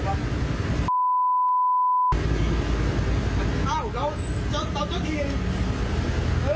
ไม่ค่ะเรามีเรามีกล้องไม่เป็นไร